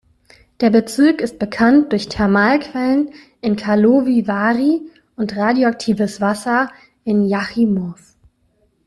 Der Bezirk ist bekannt durch Thermalquellen in Karlovy Vary und radioaktives Wasser in Jáchymov.